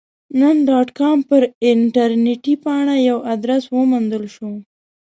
نن ډاټ کام پر انټرنیټي پاڼه یو ادرس وموندل شو.